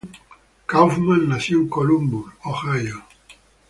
Kaufman nació en Columbus, Ohio.